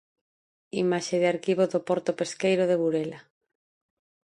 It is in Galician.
Imaxe de arquivo do porto pesqueiro de Burela.